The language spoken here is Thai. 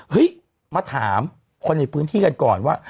มาถามคนในพื้นที่กันก่อนว่า